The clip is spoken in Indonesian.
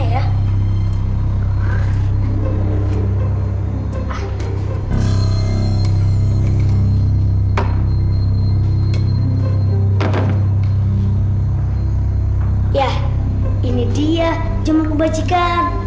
ya ini dia jemaah kebajikan